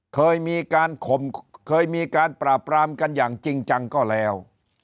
เคยมีการข่มเคยมีการปราบรามกันอย่างจริงจังก็แล้ว